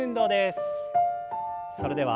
それでは。